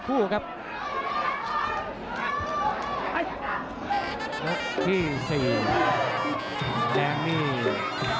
โหดแก้งขวาโหดแก้งขวา